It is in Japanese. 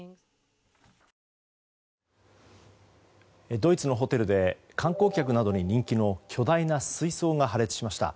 ドイツのホテルで観光客などに人気の巨大な水槽が破裂しました。